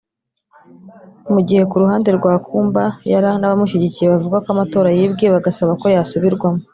Mu gihe ku ruhande rwa Kumba Yala n’abamushyigikiye bavuga ko amatora yibwe bagasaba ko yasubirwamo